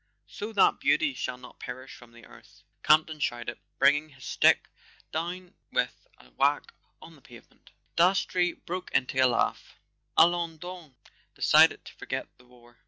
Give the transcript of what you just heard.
"So that beaut j shall not perish from the earth!" Campton shouted, bringing his stick down with a whack on the pavement. Dastrey broke into a laugh. " Allons done! Decided to forget the war